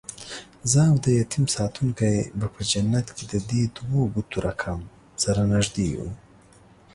زه اودیتیم ساتونکی به په جنت کې ددې دوو ګوتو رکم، سره نږدې یو